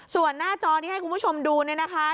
ส่วนหน้าจอที่ให้คุณผู้ชมดูเนี่ยนะคะ